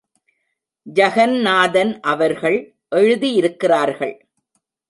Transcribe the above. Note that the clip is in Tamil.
ஜகந்நாதன் அவர்கள் எழுதியிருக்கிறார்கள்.